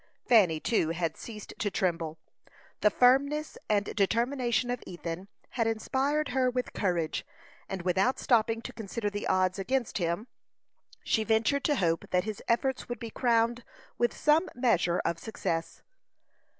Fanny, too, had ceased to tremble. The firmness and determination of Ethan had inspired her with courage, and without stopping to consider the odds against him, she ventured to hope that his efforts would be crowned with some measure of success.